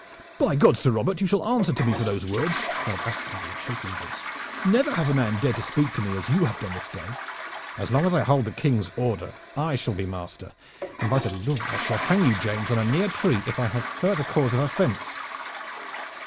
"By God, Sir Robert, you shall answer to me for those words!" cried Astley with a choking voice. "Never has a man dared to speak to me as you have done this day." "As long as I hold the King's order I shall be master, and by the Lord I will hang you, James, on a near tree if I have further cause of offense!